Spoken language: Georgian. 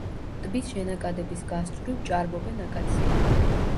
ტბის შენაკადების გასწვრივ ჭარბობენ აკაციები.